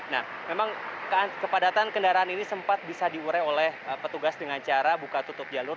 nah memang kepadatan kendaraan ini sempat bisa diurai oleh petugas dengan cara buka tutup jalur